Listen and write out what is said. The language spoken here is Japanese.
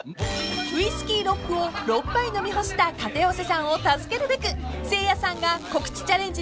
［ウイスキーロックを６杯飲み干した片寄さんを助けるべくせいやさんが告知チャレンジに緊急参戦］